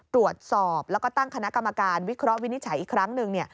ตรวจสอบแล้วก็ตั้งคณะกรรมการวิเคราะห์วินิจฉัยอีกครั้งหนึ่ง